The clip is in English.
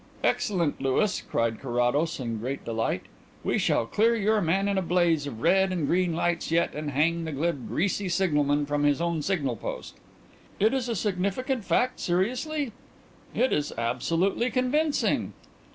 "Excellent, Louis," cried Carrados in great delight. "We shall clear your man in a blaze of red and green lights yet and hang the glib, 'greasy' signalman from his own signal post." "It is a significant fact, seriously?" "It is absolutely convincing."